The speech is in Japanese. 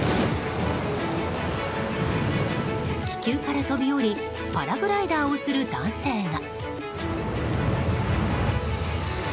気球から飛び降りパラグライダーをする男性が。